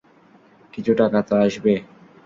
কিছু টাকা তো আসবে।